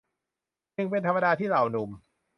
จึงเป็นธรรมดาที่เหล่าหนุ่ม